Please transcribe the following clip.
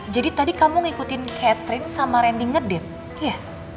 jadi tadi kamu ngikutin catherine sama randy ngedate iya